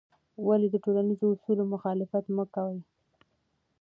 ولې د ټولنیزو اصولو مخالفت مه کوې؟